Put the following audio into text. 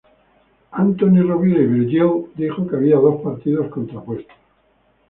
Antoni Rovira i Virgili dijo que había dos partidos contrapuestos.